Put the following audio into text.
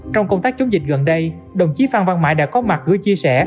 trong công tác chống dịch gần đây đồng chí phan văn mãi đã có mặt gửi chia sẻ